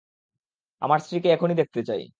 আমার স্ত্রীকে এখনই দেখতে চাই।